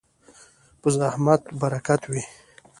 په زحمت برکت وي.